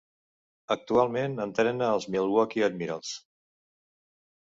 Actualment entrena els Milwaukee Admirals.